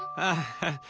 ハハハッ。